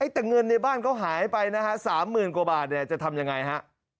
แต่เงินในบ้านเขาหายไปนะฮะ๓๐๐๐กว่าบาทเนี่ยจะทำยังไงฮะ